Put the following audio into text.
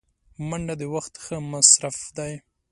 منډه د وخت ښه مصرف دی